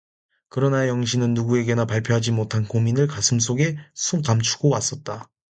그러나 영신은 누구에게나 발표하지 못한 고민을 가슴속에 감추고 왔었다.